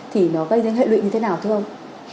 thì nó gây ra những hệ lụy như thế nào thưa ông